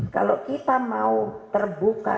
kalau kita mau terbuka